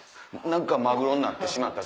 何かマグロになってしまった。